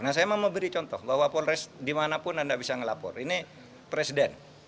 nah saya mau beri contoh bahwa polres dimanapun anda bisa ngelapor ini presiden